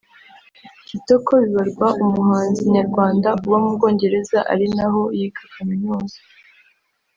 Kitoko Bibarwa umuhanzi nyarwanda uba mu Bwongereza ari naho yiga Kaminuza